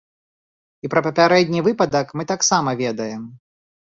І пра папярэдні выпадак мы таксама ведаем.